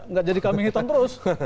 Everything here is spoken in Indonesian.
nggak jadi kambing hitam terus